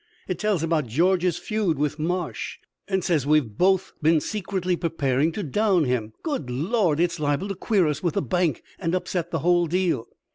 It tells about George's feud with Marsh, and says we have both been secretly preparing to down him. Good Lord! It's liable to queer us with the bank and upset the whole deal."